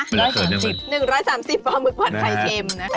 ๑๓๐ปลาหมึกพรรดไข่เค็มนะ